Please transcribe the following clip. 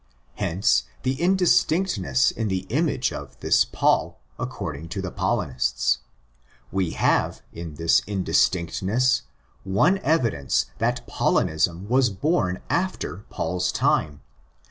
Hence the indistinctness in the image of this Paul according to the Paulinists. We have in this indistinctness one evidence that Paulinism was born after Paul's time.